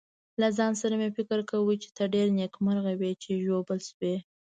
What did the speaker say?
له ځان سره مې فکر کاوه چې ته ډېر نېکمرغه وې چې ژوبل شوې.